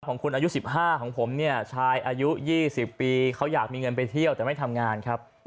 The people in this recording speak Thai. ของคุณอายุ๑๕ของผมเนี่ยชายอายุ๒๐ปีเขาอยากมีเงินไปเที่ยวแต่ไม่ทำงานครับ